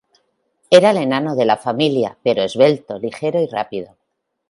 Era el enano de la familia, pero esbelto, ligero y rápido.